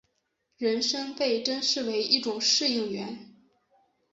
人参被珍视为一种适应原。